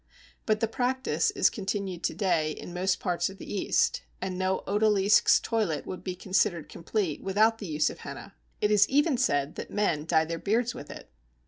But the practice is continued to day in most parts of the East, and no odalisque's toilet would be considered complete without the use of henna. It is even said that men dye their beards with it.